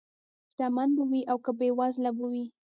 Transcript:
شتمن به وي او که بېوزله به وي.